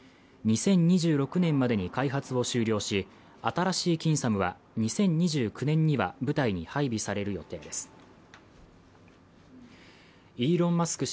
２０２６年までに開発を終了し新しい近ＳＡＭは２０２９年には部隊に配備される予定ですイーロン・マスク